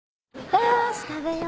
よーし食べよう。